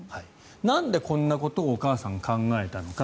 なんでこんなことをお母さん、考えたのか。